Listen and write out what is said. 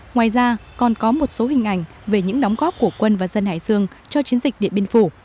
ngoài ra còn có một số hình ảnh về những đóng góp của quân và dân hải dương cho chiến dịch điện biên phủ